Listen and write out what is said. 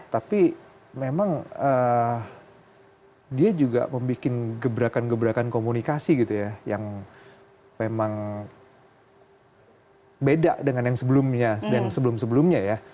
tapi memang dia juga membuat gebrakan gebrakan komunikasi yang memang beda dengan yang sebelumnya